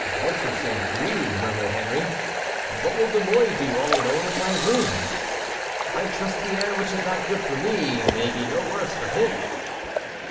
"Ventre saint gris!" murmured Henry; "and what will De Mouy do all alone in my room? I trust the air which is not good for me may be no worse for him!"